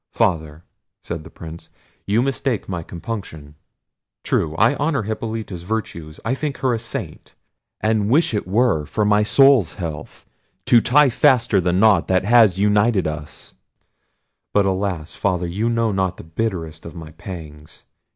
"Father," said the Prince, "you mistake my compunction: true, I honour Hippolita's virtues; I think her a Saint; and wish it were for my soul's health to tie faster the knot that has united us—but alas! Father, you know not the bitterest of my pangs!